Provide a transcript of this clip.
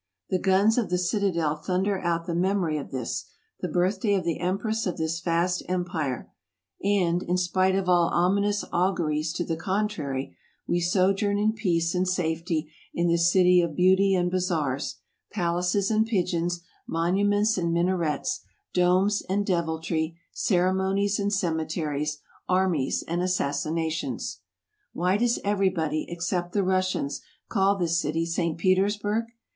The guns of the citadel thunder out the memory of this, the birthday of the Empress of this vast empire; and, in spite of all ominous auguries to the contrary, we sojourn in peace and safety in this city of beauty and bazaars, pal aces and pigeons, monuments and minarets, domes and dev iltry, ceremonies and cemeteries, armies and assassinations! Why does everybody, except the Russians, call this city St. Petersburg